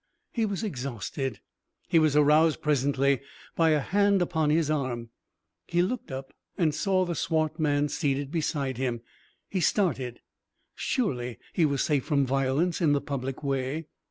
He was exhausted. He was aroused presently by a hand upon his arm. He looked up, and saw the swart man seated beside him. He started. Surely he was safe from violence in the public way!